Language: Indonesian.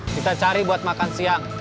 kita cari buat makan siang